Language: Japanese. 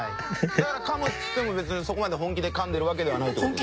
だから噛むっつっても別にそこまで本気で噛んでるわけではないって事ですね。